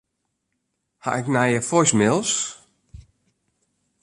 Ha ik nije voicemails?